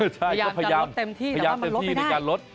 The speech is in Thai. พยายามการลดเต็มที่แต่ว่ามันลดไม่ได้